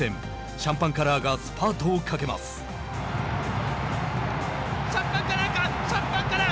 シャンパンカラーがシャンパンカラーか、シャンパンカラー。